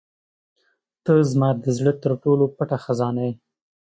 • ته زما د زړه تر ټولو پټه خزانه یې.